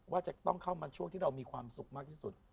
ว่าจะต้องเข้ามาช่วงที่เรามีความสุขมากที่สุด